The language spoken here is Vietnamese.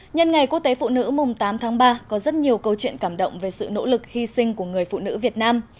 nhân ngày quốc tế phụ nữ mùng tám tháng ba có rất nhiều câu chuyện cảm động về sự nỗ lực hy sinh của người phụ nữ việt nam